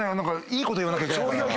いいこと言わなきゃいけないから。